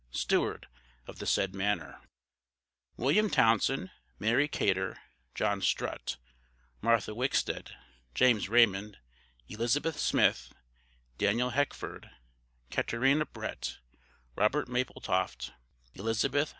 Steward of the said Manor. William Townsend, } Mary Cater, } John Strutt, } Martha Wicksted, } James Raymond, } Elizabeth Smith, } sworn Daniel Heckford, } Catherina Brett, } Robert Mapletoft, } Elzbth.